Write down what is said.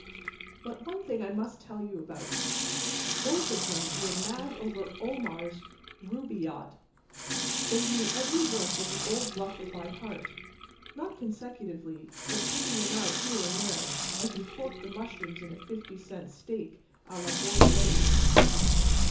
But one thing I must tell you about. Both of them were mad over Omar's Rubaiyat. They knew every verse of the old bluffer by heart—not consecutively, but picking 'em out here and there as you fork the mushrooms in a fifty cent steak à la Bordelaise.